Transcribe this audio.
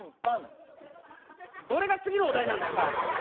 どれが次のお題なんですか？